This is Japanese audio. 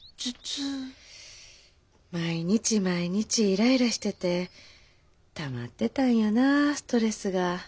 毎日毎日イライラしててたまってたんやなストレスが。